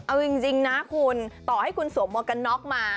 เอาจริงนะคุณต่อให้คุณสวมหมวกกันน็อกมา